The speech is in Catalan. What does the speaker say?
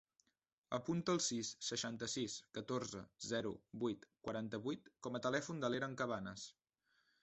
Apunta el sis, seixanta-sis, catorze, zero, vuit, quaranta-vuit com a telèfon de l'Eren Cabanas.